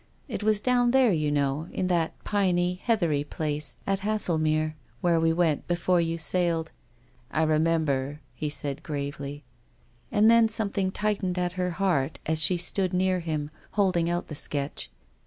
" It was down there, you know, in that piney, heathery place, where we went before you sailed " 296 THE 8T0RY OF A MODERN WOMAN. " I remember," he said gravely. And then something tightened at her heart as she stood near him, holding out the sketch.